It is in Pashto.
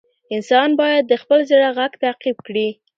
انسان باید د خپل زړه غږ تعقیب کړي.